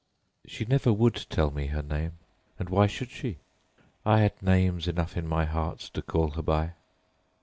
"She never would tell me her name, and why should she? I had names enough in my heart to call her by.